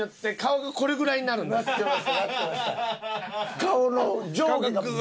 顔の上下が。